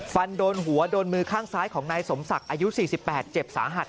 ฟันโดนหัวโดนมือข้างซ้ายของนายสมศักดิ์อายุ๔๘เจ็บสาหัส